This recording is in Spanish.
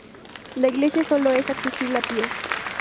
La iglesia sólo es accesible a pie.